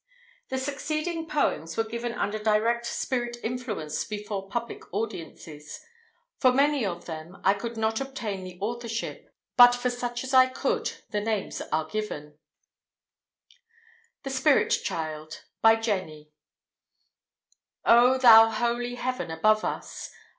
The succeeding poems were given under direct spirit influence before public audiences. For many of them I could not obtain the authorship, but for such as I could, the names are given. POEMS FROM THE INNER LIFE. THE SPIRIT CHILD. BY "JENNIE." O, thou holy Heaven above us!